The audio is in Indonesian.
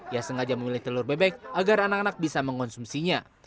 ia sengaja memilih telur bebek agar anak anak bisa mengonsumsinya